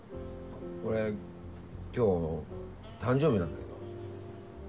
俺今日誕生日なんだけど。